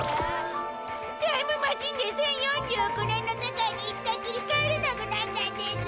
タイムマシンで１０４９年の世界に行ったっきり帰れなくなったんです。